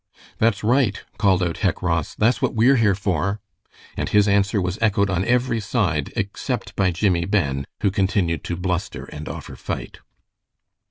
"That's right!" called out Hec Ross; "that's what we're here for." And his answer was echoed on every side, except by Jimmie Ben, who continued to bluster and offer fight.